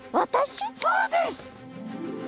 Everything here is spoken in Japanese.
そうです！